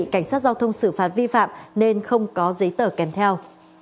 cảnh sát giao thông xử phạt vi phạm nên không có giấy tờ kèm theo